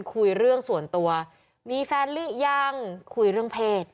คุยเรื่องส่วนตัวมีแฟนหรือยังคุยเรื่องเพศ